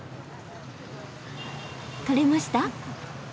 撮れました？